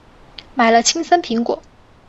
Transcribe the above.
买了青森苹果